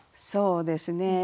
そうですね